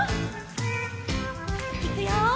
いくよ。